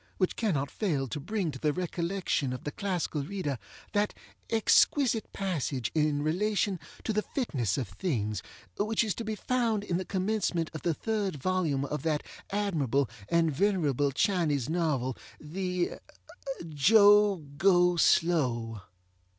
which cannot fail to bring to the recollection of the classical reader that exquisite passage in relation to the fitness of things, which is to be found in the commencement of the third volume of that admirable and venerable Chinese novel the Jo Go Slow.